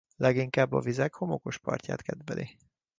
Leginkább a vizek homokos partját kedveli.